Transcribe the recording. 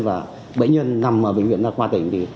và bệnh nhân nằm ở bệnh viện đa khoa tỉnh